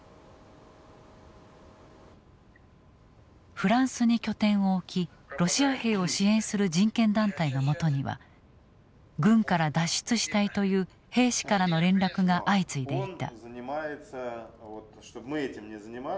フランスに拠点を置きロシア兵を支援する人権団体のもとには軍から脱出したいという兵士からの連絡が相次いでいた。